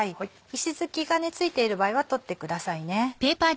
石突きが付いている場合は取ってくださいね。